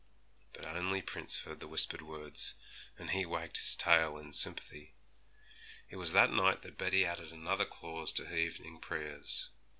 But only Prince heard the whispered words, and he wagged his tail in sympathy. It was that night that Betty added another clause to her evening prayers.